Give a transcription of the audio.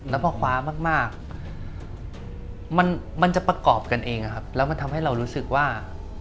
แล้วพอคว้ามากมันจะประกอบกันเองนะครับแล้วมันทำให้เรารู้สึกว่า